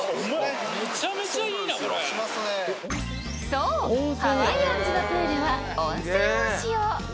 そう、ハワイアンズのプールは温泉を使用。